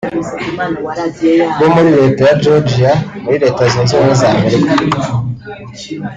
bo muri Leta ya Georgia muri Leta Zunze ubumwe za Amerika